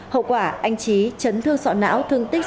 hậu quả anh trí chấn thương sọ não